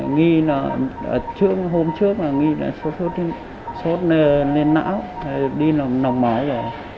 nghi là hôm trước là nghi là suốt lên não đi nọc máu rồi